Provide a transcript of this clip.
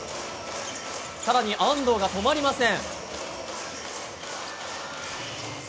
更に、安藤が止まりません。